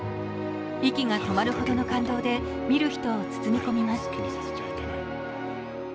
息が止まるほどの感動で、見る人を包み込みます。